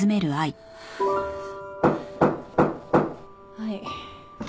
はい。